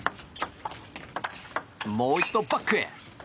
もう一度、バックへ。